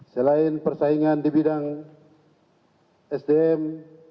selain persaingan di bidang sdm